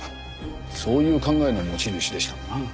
そういう考えの持ち主でしたな。